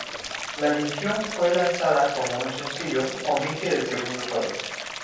La edición que fue lanzada como sencillo omite el segundo solo.